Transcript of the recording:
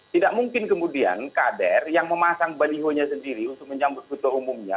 tidak mungkin kemudian kader yang memasang balihonya sendiri untuk menyambut ketua umumnya